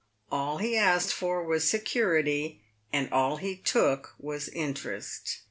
All he asked for was security, and all he took was interest.